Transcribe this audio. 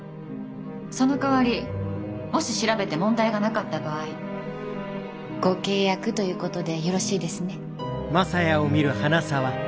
そのかわりもし調べて問題がなかった場合ご契約ということでよろしいですね。